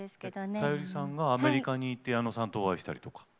さゆりさんがアメリカに行って矢野さんにお会いしたりとか。